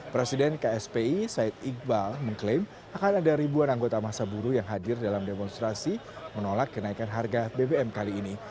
presiden kspi said iqbal mengklaim akan ada ribuan anggota masa buruh yang hadir dalam demonstrasi menolak kenaikan harga bbm kali ini